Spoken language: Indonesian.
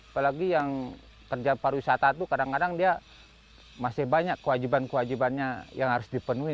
apalagi yang kerja pariwisata itu kadang kadang dia masih banyak kewajiban kewajibannya yang harus dipenuhi